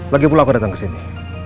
lagi pula aku datang kesini